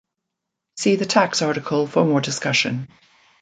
See the tax article for more discussion.